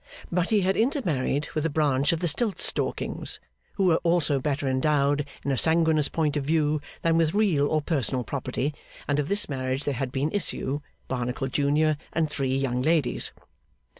But he had intermarried with a branch of the Stiltstalkings, who were also better endowed in a sanguineous point of view than with real or personal property, and of this marriage there had been issue, Barnacle junior and three young ladies.